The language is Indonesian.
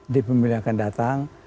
di pemilihan akan datang